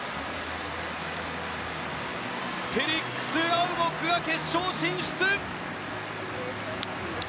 フェリックス・アウボック決勝進出！